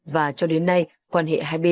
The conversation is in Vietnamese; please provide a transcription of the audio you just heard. và cho đến nay quan hệ hai đối tác đã được tạo ra